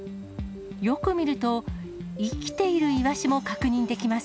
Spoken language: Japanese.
よく見ると、生きているイワシも確認できます。